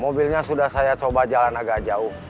mobilnya sudah saya coba jalan agak jauh